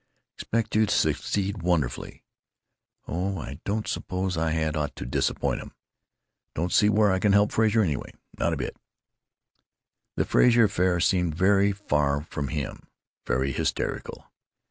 'Expect you to succeed wonderfully——' Oh, I don't suppose I had ought to disappoint 'em. Don't see where I can help Frazer, anyway. Not a bit." The Frazer affair seemed very far from him; very hysterical.